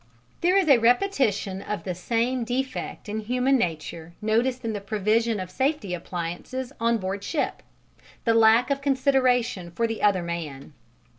This is a repetition of the same defect in human nature noticed in the provision of safety appliances on board ship the lack of consideration for the other man.